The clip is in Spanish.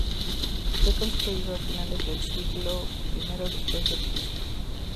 Fue construido a finales del siglo I d.c.